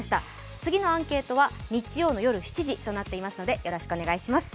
次のアンケートは日曜夜７時となっていますのでよろしくお願いします。